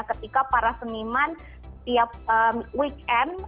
ketika para seniman tiap weekend